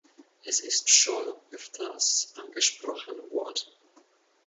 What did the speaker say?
Es ist schon öfters angesprochen worden.